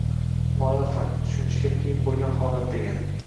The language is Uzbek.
noyob fakt, tushunishga qiyin bo‘lgan holat”- degani.